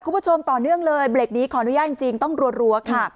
คุณผู้ชมต่อเนื่องเลยเบรกนี้ขออนุญาตจริงต้องรัวค่ะ